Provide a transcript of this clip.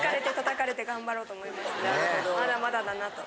まだまだだなと。